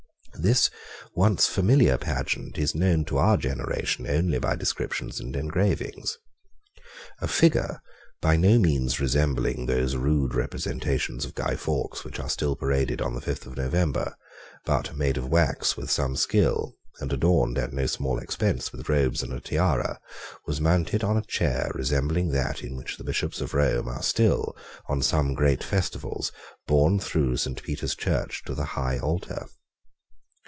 This once familiar pageant is known to our generation only by descriptions and engravings. A figure, by no means resembling those rude representations of Guy Faux which are still paraded on the fifth of November, but made of wax with some skill, and adorned at no small expense with robes and a tiara, was mounted on a chair resembling that in which the Bishops of Rome are still, on some great festivals, borne through Saint Peter's Church to the high altar.